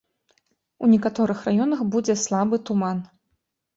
У некаторых раёнах будзе слабы туман.